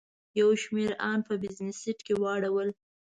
یو شمېر ان په بزنس سیټ کې واړول.